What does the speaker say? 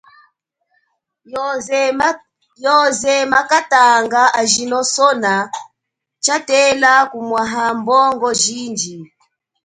Yoze makatanga ajino sona tshatamba kumwaha mbongo jindji.